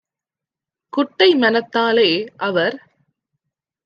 குட்டை மனத்தாலே - அவர்